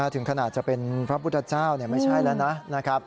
ถึงขนาดจะเป็นพระพุทธเจ้าไม่ใช่แล้วนะครับ